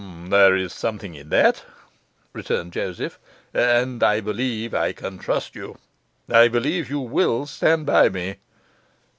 'There is something in that,' returned Joseph. 'And I believe I can trust you. I believe you will stand by me.